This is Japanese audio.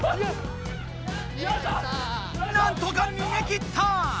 なんとかにげきった！